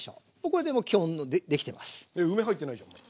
これでもうできてます。